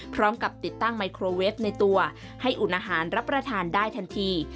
พร้อมกับติดตั้งไมโครเวฟในตัวให้อุ่นอาหารรับประทานได้ทันที